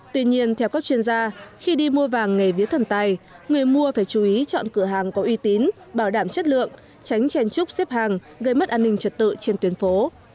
tuy nhiên theo các chuyên gia khi đi mua vàng nghề vía thần tài người mua phải chú ý chọn cửa hàng có uy tín bảo đảm chất lượng tránh chen trúc xếp hàng gây mất an ninh trật tự trên tuyến phố